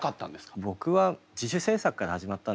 僕は自主制作から始まったんですね。